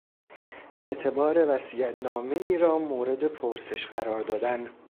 اعتبار وصیت نامهای را مورد پرسش قرار دادن